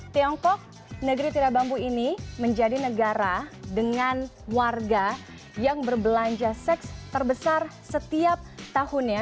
tiongkok negeri tirabambu ini menjadi negara dengan warga yang berbelanja seks terbesar setiap tahunnya